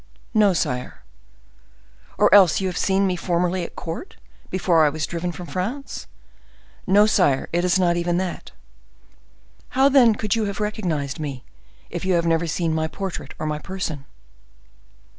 "No, sire." "Or else you have seen me formerly at court, before I was driven from France?" "No, sire, it is not even that." "How then could you have recognized me, if you have never seen my portrait or my person?"